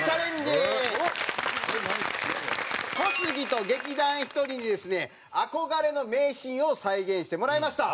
小杉と劇団ひとりにですね憧れの名シーンを再現してもらいました。